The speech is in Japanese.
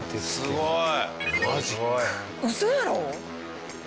すごい！